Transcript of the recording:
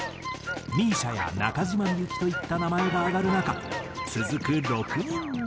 ＭＩＳＩＡや中島みゆきといった名前が挙がる中続く６人目。